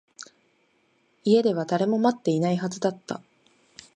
家では誰も待っていないはずだった